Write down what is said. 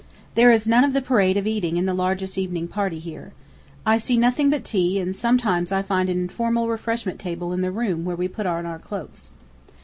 There is none of the parade of eating in the largest evening party here. I see nothing but tea, and sometimes find an informal refreshment table in the room where we put on our cloaks.